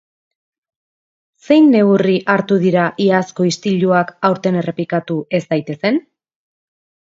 Zein neurri hartu dira iazko istiluak aurten errepikatu ez daitezen?